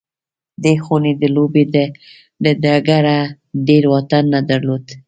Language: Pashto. دې خونې د لوبې له ډګره ډېر واټن نه درلود